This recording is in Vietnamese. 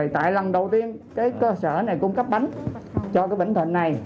tại lần đầu tiên cái cơ sở này cung cấp bánh cho cái bệnh thịnh này